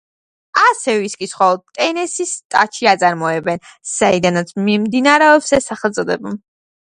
ასე ვისკის მხოლოდ ტენესის შტატში აწარმოებენ, საიდანაც მომდინარეობს ეს სახელწოდება.